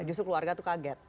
justru keluarga tuh kaget